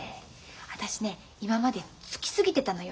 私ね今までツキ過ぎてたのよ。